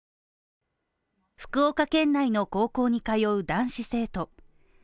福岡県内の高校に通う男子生徒。